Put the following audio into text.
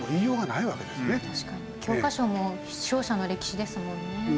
確かに教科書も勝者の歴史ですもんね。